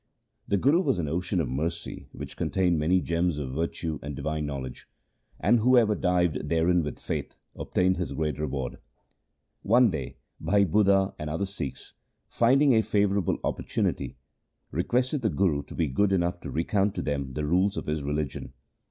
The Guru was an ocean of mercy which contained many gems of virtue and divine knowledge ; and whoever dived therein with faith obtained his great reward. One day Bhai Budha and other Sikhs, find ing a favourable opportunity, requested the Guru to be good enough to recount to them the rules of his religion.